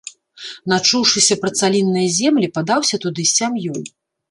Начуўшыся пра цалінныя землі, падаўся туды з сям'ёй.